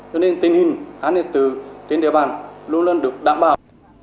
cho nên tình hình an ninh tự trên địa bàn luôn luôn được đảm bảo